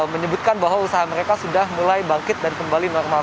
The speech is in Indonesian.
menyebutkan bahwa usaha mereka sudah mulai bangkit dan kembali normal